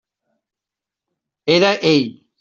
Era ell.